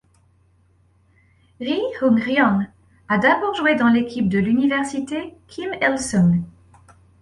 Ri Hung-ryong a d'abord joué dans l'équipe de l'Université Kim Il-sung.